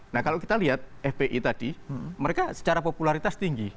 nah kalau kita lihat fpi tadi mereka secara popularitas tinggi